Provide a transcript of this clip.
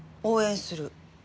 応援する。